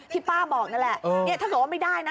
ที่ป้าบอกนั่นแหละถ้าเกิดว่าไม่ได้นะ